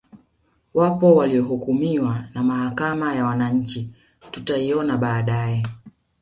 Wapo waliohukumiwa na Mahakama ya wananchi tutaiona baadae